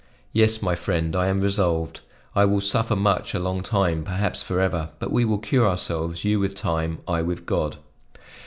"Yes, my friend, I am resolved. I will suffer much, a long time, perhaps forever; but we will cure ourselves, you with time, I with God."